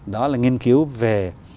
đó là nghiên cứu về